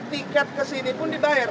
tiket ke sini pun dibayar